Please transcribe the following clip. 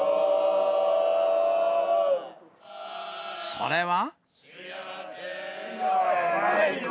それは。